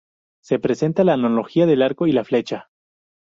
Se presenta la analogía del arco y la flecha.